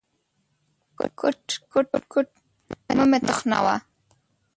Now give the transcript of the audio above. _کوټ، کوټ، کوټ… مه مې تخنوه.